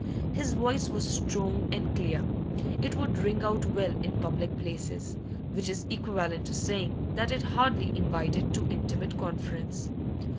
His voice was strong and clear; it would ring out well in public places, which is equivalent to saying that it hardly invited too intimate conference.